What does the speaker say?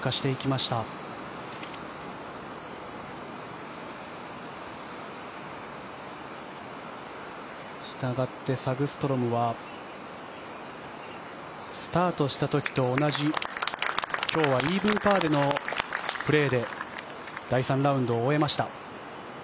したがってサグストロムはスタートした時と同じ今日はイーブンパーでのプレーで第３ラウンドを終えました。